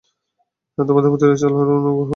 তোমাদের প্রতি রয়েছে আল্লাহর অনুগ্রহ ও কল্যাণ।